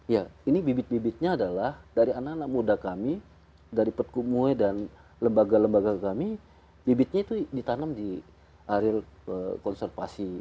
ya ini bibit bibitnya adalah dari anak anak muda kami dari perkumue dan lembaga lembaga kami bibitnya itu ditanam di areal konservasi